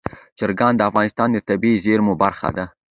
چرګان د افغانستان د طبیعي زیرمو برخه ده.